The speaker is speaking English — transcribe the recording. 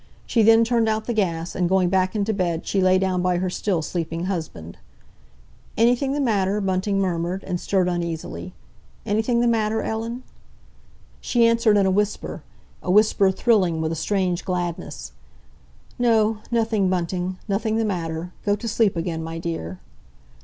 She then turned out the gas, and going back into bed she lay down by her still sleeping husband. "Anything the matter?" Bunting murmured, and stirred uneasily. "Anything the matter, Ellen?" She answered in a whisper, a whisper thrilling with a strange gladness, "No, nothing, Bunting—nothing the matter! Go to sleep again, my dear."